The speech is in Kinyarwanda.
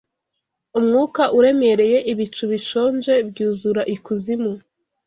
umwuka uremereye, Ibicu bishonje byuzura ikuzimu